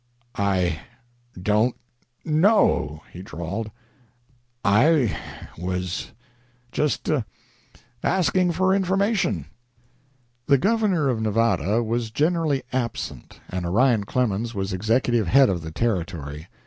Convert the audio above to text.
"I don't know," he drawled. "I was just asking for information." The governor of Nevada was generally absent, and Orion Clemens was executive head of the territory.